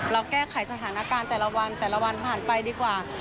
เราแก้ไขสถานการณ์แต่ละวันผ่านไปดีกว่า